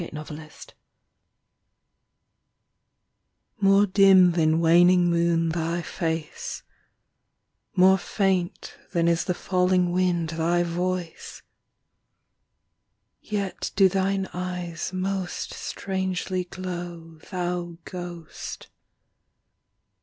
OLD LOVE More dim than waning moon Thy face, more faint Than is the falling wind Thy voice, yet do Thine eyes most strangely glow, Thou ghost